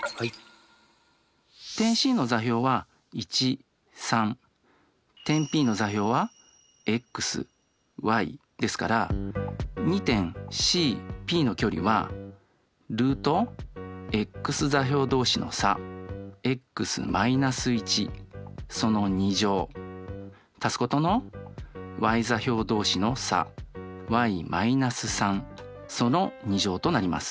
点Ｃの座標は点Ｐの座標はですから２点ＣＰの距離はルートｘ座標同士の差足すことのｙ座標同士の差となります。